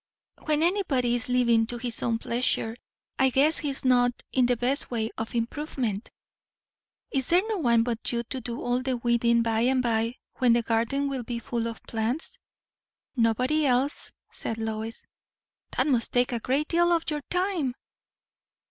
"When anybody is living to his own pleasure, I guess he is not in the best way of improvement." "Is there no one but you to do all the weeding, by and by, when the garden will be full of plants?" "Nobody else," said Lois. "That must take a great deal of your time!"